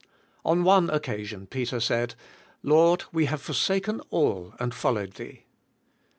On one occasion Peter said, "Lord, we have forsaken all and followed Thee.